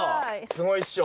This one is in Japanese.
すごいっしょ。